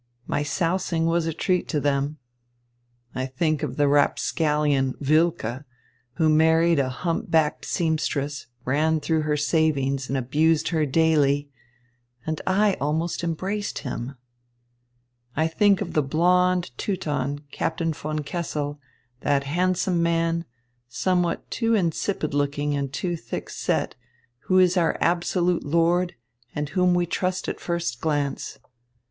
My sousing was a treat to them. I think of the rapscallion, Wilke, who married a humpbacked seamstress, ran through her savings, and abused her daily and I almost embraced him. I think of the blond Teuton, Captain von Kessel, that handsome man, somewhat too insipid looking and too thick set, who is our absolute lord and whom we trust at first glance.